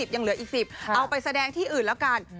ยังเหลืออีก๑๐เอาไปแสดงที่อื่นแล้วกัน